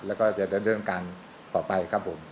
แล้วก็จะดำเนินการต่อไปครับผม